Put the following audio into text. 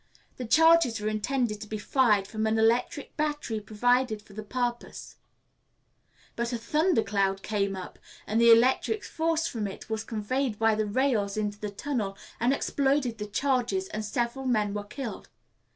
The charges were intended to be fired from an electric battery provided for the purpose; but a thunder cloud came up, and the electric force from it was conveyed by the rails into the tunnel and exploded the charges, and several men were killed.